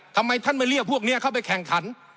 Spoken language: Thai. ทำไมท่านไม่เรียกพวกนี้เข้าไปแข่งขัน